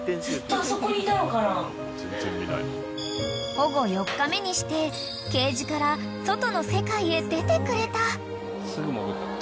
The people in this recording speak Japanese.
［保護４日目にしてケージから外の世界へ出てくれた］